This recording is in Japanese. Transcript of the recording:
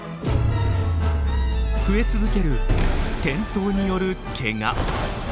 増え続ける転倒によるケガ。